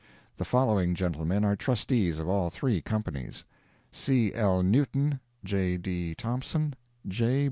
The following gentlemen are Trustees of all three companies: C. L. Newton, J. D. Thompson, J.